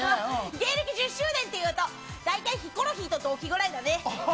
芸歴１０周年って言うとだいたいヒコロヒーと同じぐらいだね。